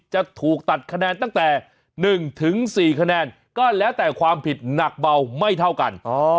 จะถูกตัดคะแนนตั้งแต่๑๔คะแนนก็แล้วแต่ความผิดหนักเบาไม่เท่ากัน